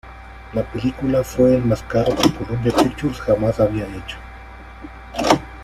La película fue el más caro de que Columbia Pictures jamás había hecho.